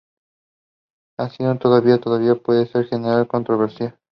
Aun así, todavía tenía el poder de generar controversia.